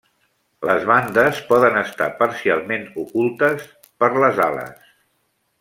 Les bandes poden estar parcialment ocultes per les ales.